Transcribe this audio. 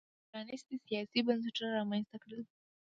پرانیستي سیاسي بنسټونه رامنځته کړل.